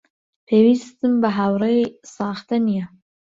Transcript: پێویستم بە هاوڕێی ساختە نییە.